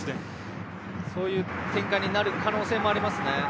そういう展開になる可能性もありますね。